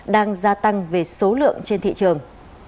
đang gia tăng về số lượng trên thị trường